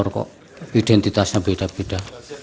rokok identitasnya beda beda